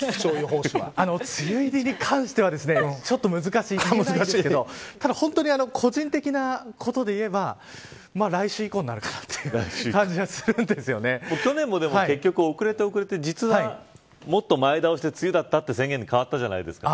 梅雨入りに関してはちょっと難しいんですけどただ本当に個人的なことでいえば来週以降になるかなという去年も結局、遅れて遅れて実は、もっと前倒しで梅雨だったという宣言に変わったじゃないですか。